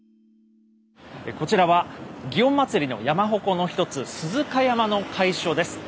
こちらは園祭の山鉾の一つ鈴鹿山の会所です。